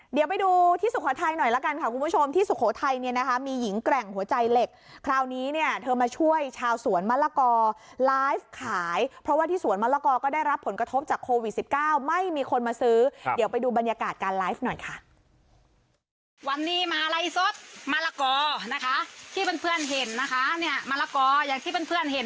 เดี๋ยวไปดูที่สุโขทัยหน่อยละกันค่ะคุณผู้ชมที่สุโขทัยเนี่ยนะคะมีหญิงแกร่งหัวใจเหล็กคราวนี้เนี่ยเธอมาช่วยชาวสวนมะละกอไลฟ์ขายเพราะว่าที่สวนมะละกอก็ได้รับผลกระทบจากโควิด๑๙ไม่มีคนมาซื้อเดี๋ยวไปดูบรรยากาศการไลฟ์หน่อยค่ะ